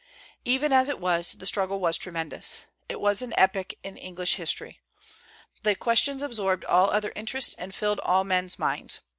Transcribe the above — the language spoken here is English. Even as it was, the struggle was tremendous. It was an epoch in English history. The question absorbed all other interests and filled all men's minds.